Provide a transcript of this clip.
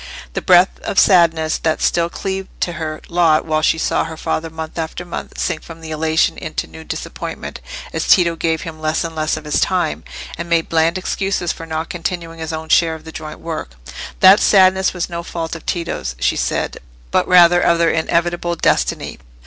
The breath of sadness that still cleaved to her lot while she saw her father month after month sink from elation into new disappointment as Tito gave him less and less of his time, and made bland excuses for not continuing his own share of the joint work—that sadness was no fault of Tito's, she said, but rather of their inevitable destiny.